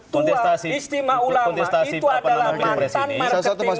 ketua istimewa ulama itu adalah mantan marketingnya